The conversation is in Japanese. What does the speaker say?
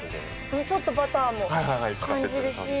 ちょっとバターも感じるし。